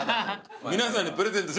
皆さんにプレゼント。